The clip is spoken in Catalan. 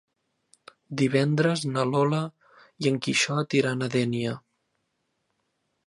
Divendres na Lola i en Quixot iran a Dénia.